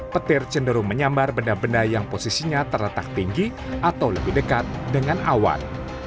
petir cenderung menyambar benda benda yang posisinya terletak tinggi atau lebih dekat dengan awan